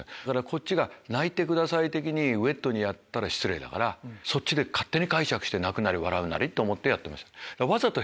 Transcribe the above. こっちが泣いてください的にウエットにやったら失礼だからそっちで勝手に解釈して泣くなり笑うなりと思ってやってました。